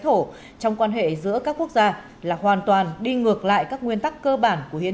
thổ trong quan hệ giữa các quốc gia là hoàn toàn đi ngược lại các nguyên tắc cơ bản của hiến